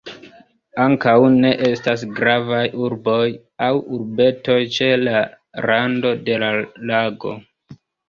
Ankaŭ ne estas gravaj urboj aŭ urbetoj ĉe la rando de la lago.